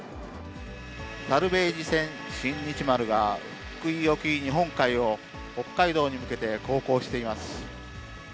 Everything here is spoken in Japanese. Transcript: サルベージ船、新日丸が、福井沖、日本海を北海道に向けて航行しています。